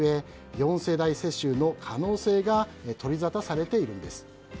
４世代世襲の可能性が取りざたされているんです。